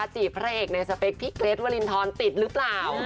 จีบพระเอกในสเปคพี่เกรทวรินทรติดหรือเปล่า